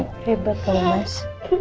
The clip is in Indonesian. hebat kamu mas